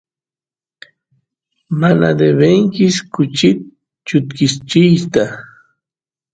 mana devenki kuchit chutkichiyta